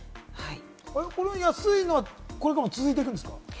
この安いのはこれからも続いていくんですか？